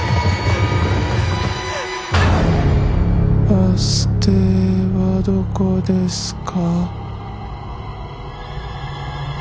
バス停はどこですか？